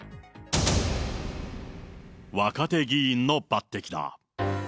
若手議員の抜てきだ。